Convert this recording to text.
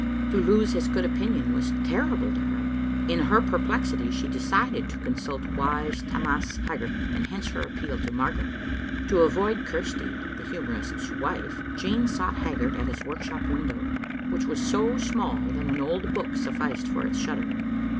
To lose his good opinion was terrible to her. In her perplexity she decided to consult wise Tammas Haggart, and hence her appeal to Margaret. To avoid Chirsty, the humourist's wife, Jean sought Haggart at his workshop window, which was so small that an old book sufficed for its shutter.